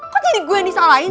kok jadi gue yang disalahin